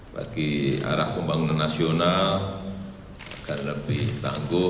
bagi arah pembangunan nasional agar lebih tangguh